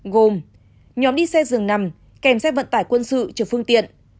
gồm nhóm đi xe dường nằm kèm xe vận tải quân sự trừ phương tiện